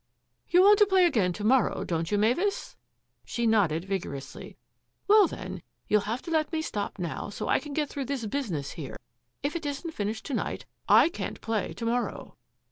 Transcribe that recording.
" You want to play again to morrow, don't you, Mavis ?" She nodded vigorously. " Well, then, you'll have to let me stop now so I can get through with this business here. If it isn't finished to night, I can't play to morrow."